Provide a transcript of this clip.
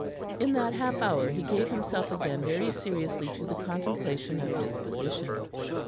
In that half hour he gave himself again very seriously to the contemplation of his position.